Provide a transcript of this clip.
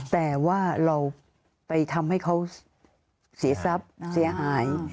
แต่ว่าเราไปทำให้เขาเสียทรัพย์เสียหาย